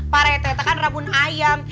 pare ternyata kan rabun ayam